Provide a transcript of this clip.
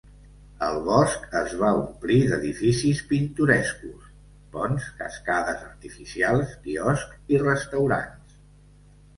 El bosc es va omplir d'edificis pintorescos: ponts, cascades artificials, quioscs i restaurants.